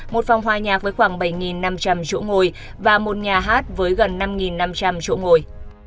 một phòng hòa nhạc với khoảng bảy năm trăm linh chỗ ngồi và một nhà hát với gần năm năm trăm linh chỗ ngồi